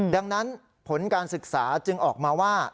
ดังนั้นผลการศึกษาจึงออกมาว่า